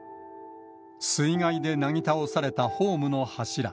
水害でなぎ倒されたホームの柱。